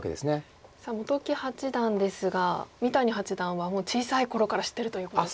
さあ本木八段ですが三谷八段はもう小さい頃から知ってるということで。